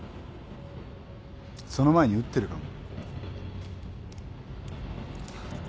その前に撃ってるかも。